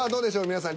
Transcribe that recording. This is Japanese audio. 皆さん。